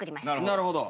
なるほど。